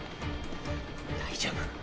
大丈夫。